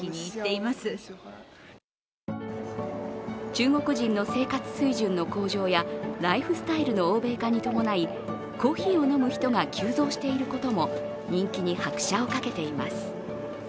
中国人の生活水準の向上やライフスタイルの欧米化に伴いコーヒーを飲む人が急増していることも人気に拍車をかけています。